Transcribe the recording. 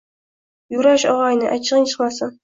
Yurash, ogʻayni, achchigʻing chiqmasin…